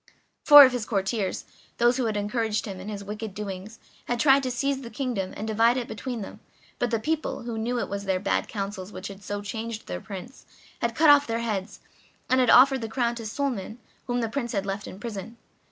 Four of his courtiers, those who had encouraged him in his wicked doings, had tried to seize the kingdom and divide it between them, but the people, who knew it was their bad counsels which had so changed the Prince, had cut off their heads, and had offered the crown to Suliman, whom the Prince had left in prison.